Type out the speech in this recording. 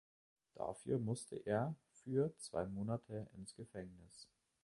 Dafür musste er für zwei Monate ins Gefängnis.